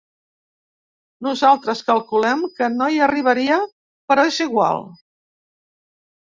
Nosaltres calculem que no hi arribaria, però és igual.